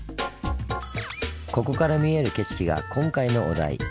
ここから見える景色が今回のお題